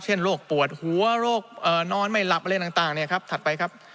โรคปวดหัวโรคนอนไม่หลับอะไรต่างเนี่ยครับถัดไปครับ